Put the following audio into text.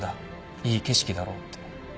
「いい景色だろ」って。